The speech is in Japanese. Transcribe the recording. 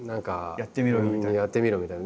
「やってみろよ」みたいな。